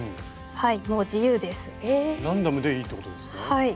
はい。